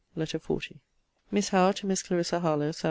LETTER XL MISS HOWE, TO MISS CLARISSA HARLOWE SAT.